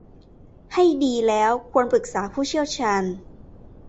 ให้ดีแล้วควรปรึกษาผู้เชี่ยวชาญ